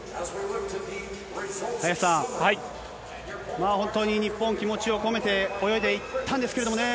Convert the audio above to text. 林さん、本当に日本、気持ちを込めて泳いでいったんですけれどもね。